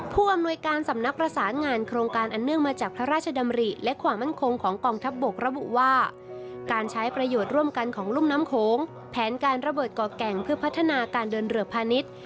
ผู้อำนวยการสำนักประสานงานโครงการอันเนื่อง